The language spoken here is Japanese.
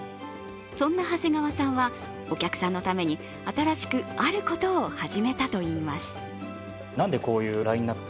そんな長谷川さんは、お客さんのために新しくあることを始めたといいます。